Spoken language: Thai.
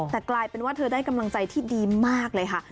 แต่กลายเป็นว่าเธอได้กำลังใจที่ดีมากเลยค่ะ